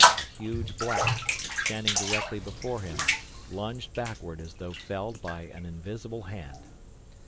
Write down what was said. A huge black, standing directly before him, lunged backward as though felled by an invisible hand.